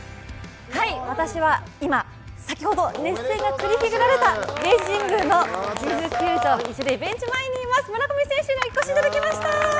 私は今、先ほど熱戦が繰り広げられた神宮球場の一塁ベンチ前にいます、村上選手にお越しいただきました！